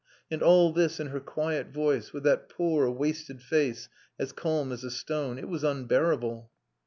And all this in her quiet voice, with that poor, wasted face as calm as a stone. It was unbearable."